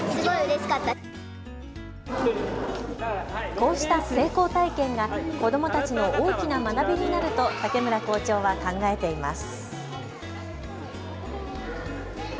こうした成功体験が子どもたちの大きな学びになると竹村校長は考えています。